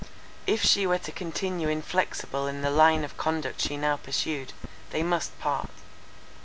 If she were to continue inflexible in the line of conduct she now pursued, they must part.